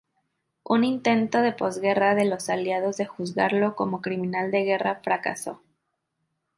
Un intento de posguerra de los Aliados de juzgarlo como criminal de guerra fracasó.